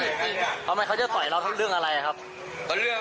เราถามพี่ว่าเราก็นำเนี้ย